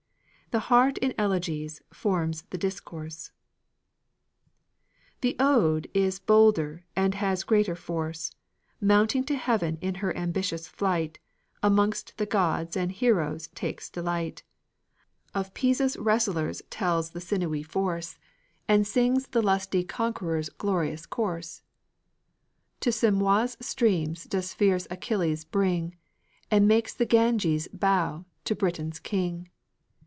The heart in elegies forms the discourse. The Ode is bolder and has greater force; Mounting to heaven in her ambitious flight, Amongst the gods and heroes takes delight; Of Pisa's wrestlers tells the sinewy force, And sings the lusty conqueror's glorious course; To Simois's streams does fierce Achilles bring, And makes the Ganges bow to Britain's king.